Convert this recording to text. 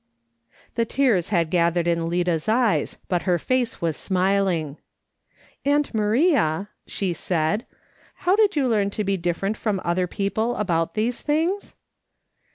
The tears had gathered in Lida's eyes, but her face was smiling. " Aunt Maria," she said, " how did you learn to be different from other people about these things